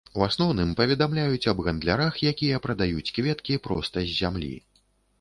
У асноўным паведамляюць аб гандлярах, якія прадаюць кветкі проста з зямлі.